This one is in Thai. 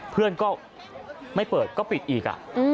เพื่อนก็ไม่เปิดก็ปิดอีก